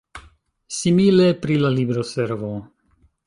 Simile pri la libroservo.